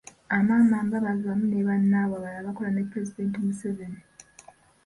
Amama Mbabazi wamu ne Bannaabwe abalala bakola ne Pulezidenti Museveni.